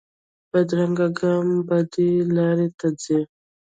بدرنګه ګام بدې لارې ته ځي